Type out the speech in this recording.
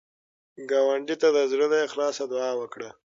ګاونډي ته د زړه له اخلاص دعا وکړه